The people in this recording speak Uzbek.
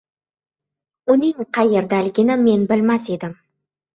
Unun qayerdaligini men bilmas edim.